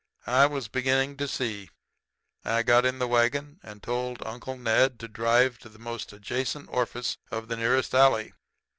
"I was beginning to see. I got in the wagon and told Uncle Ned to drive to the most adjacent orifice of the nearest alley.